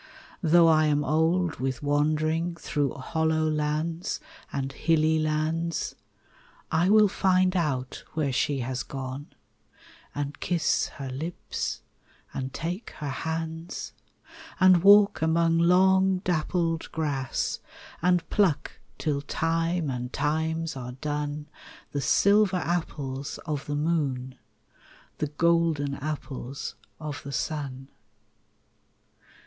Though I am old with wandering Through hollow lands and hilly lands, I will find out where she has gone, And kiss her lips and take her hands; And walk among long dappled grass, And pluck till time and times are done, RAINBOW GOLD The silver apples of the moon, The golden apples of the sun.